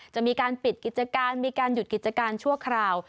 จะมีการปิดกิจการมีการหยุดกิจการชั่วคราว